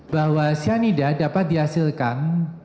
bahwa cyanide dapat dihasilkan